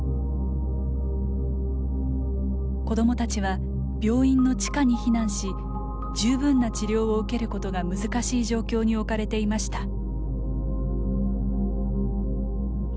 子どもたちは病院の地下に避難し十分な治療を受けることが難しい状況に置かれていました。